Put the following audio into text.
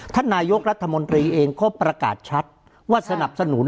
ท่านนายกรัฐมนตรีเองก็ประกาศชัดว่าสนับสนุน